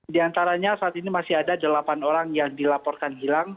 di antaranya saat ini masih ada delapan orang yang dilaporkan hilang